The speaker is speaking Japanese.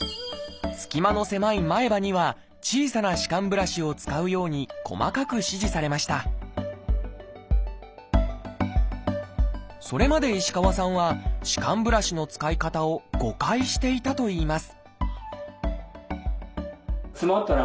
すき間の狭い前歯には小さな歯間ブラシを使うように細かく指示されましたそれまで石川さんは歯間ブラシの使い方を誤解していたといいます